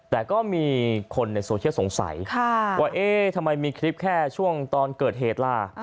แต่ก็มีคนในโซเชียลสงสัยว่าเอ๊ะทำไมมีคลิปแค่ช่วงตอนเกิดเหตุล่ะ